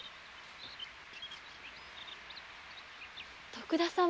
徳田様。